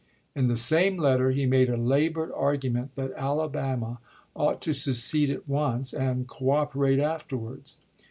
In the same letter he made a labored argument that Alabama ought to secede at once and " cooperate afterwards."